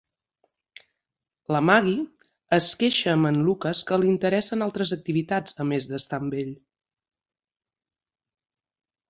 La Maggie es queixa amb en Lucas que li interessen altres activitats a més d'estar amb ell.